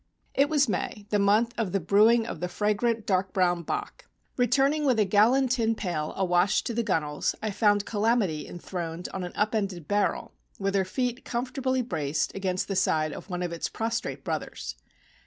It was May, the month of the brewing of the fragrant dark brown Bock. Returning with a gallon tin pail awash to the gunnels, I found "Calamity" enthroned on an up ended barrel, with her feet comfortably braced against the side of one of its prostrate brothers.